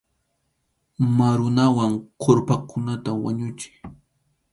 Marunawan kʼurpakunata wañuchiy.